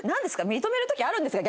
認める時あるんですか？